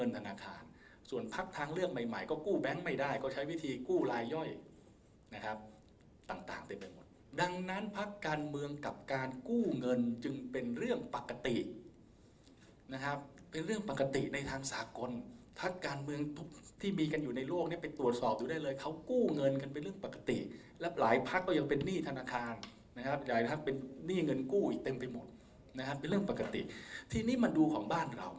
ตั้งต่างเต็มไปหมดดังนั้นภาคการเมืองกับการกู้เงินจึงเป็นเรื่องปกตินะครับเป็นเรื่องปกติในทางสากลภาคการเมืองทุกที่มีกันอยู่ในโลกเนี่ยไปตรวจสอบดูได้เลยเขากู้เงินกันเป็นเรื่องปกติแล้วหลายภาคก็ยังเป็นหนี้ธนาคารนะครับใดนะครับเป็นหนี้เงินกู้อีกเต็มไปหมดนะครับเป็นเรื่องปกติที่นี่มันดูของบ